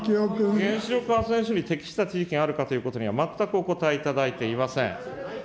原子力発電所に適した地域があるかということには全くお答えいただいていません。